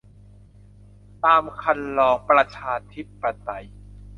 ตามครรลองประชาธิปไตย